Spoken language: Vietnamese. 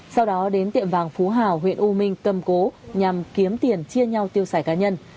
sau đó đến tiệm vàng phú hào huyện u minh cầm cố nhằm kiếm tiền chia nhau tiêu xài cá nhân